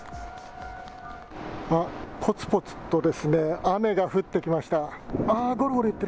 あっ、ぽつぽつとですね、雨が降ってきました。